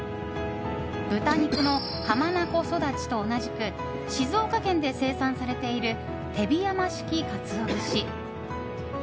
豚肉の浜名湖そだちと同じく静岡県で生産されている手火山式鰹節。